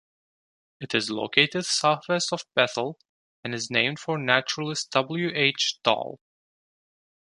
It is located southwest of Bethel, and is named for naturalist W. H. Dall.